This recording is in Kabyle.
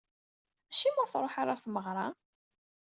Acimi ur d-truḥ ara ɣer tmeɣra?